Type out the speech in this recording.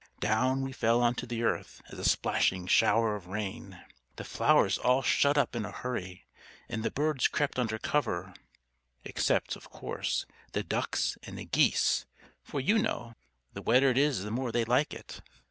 Down we fell on to the earth as a splashing shower of rain. The flowers all shut up in a hurry, and the birds crept under cover except, of course, the ducks and the geese, for, you know, the wetter it is the more they like it.